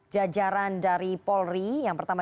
jajaran dari polri yang pertama